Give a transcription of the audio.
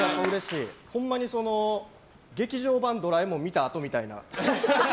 ほんまに「劇場版ドラえもん」見たあとみたいな。